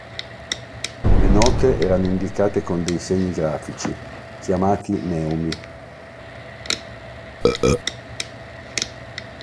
Le note erano indicate con dei segni grafici, chiamati neumi.